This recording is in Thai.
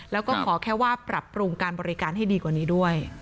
แล้วก็ขอแค่ว่าปรับปรุงการบริการให้ดีกว่านี้ด้วย